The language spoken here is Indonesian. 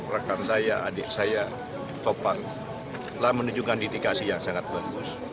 rekan saya adik saya topang telah menunjukkan dedikasi yang sangat bagus